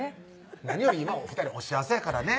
何より今お２人お幸せやからね